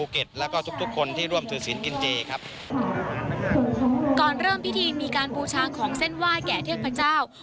ก่อนเริ่มพิธีมีการบูชาของเส้นไหว้แก่เทพเจ้า